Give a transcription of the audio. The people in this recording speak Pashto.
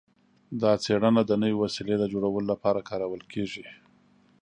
دا څیړنه د نوې وسیلې د جوړولو لپاره کارول کیږي.